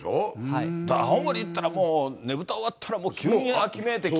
だから青森っていったら、ねぶた終わったら、もう急に秋めいてきて。